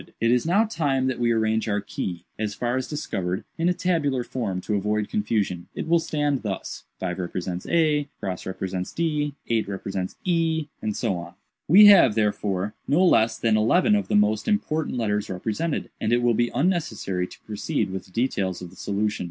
"It is now time that we arrange our key, as far as discovered, in a tabular form, to avoid confusion. It will stand thus: 5 represents a †" d 8 " e 3 " g 4 " h 6 " i *" n ‡" o (" r ;" t ?" u "We have, therefore, no less than eleven of the most important letters represented, and it will be unnecessary to proceed with the details of the solution.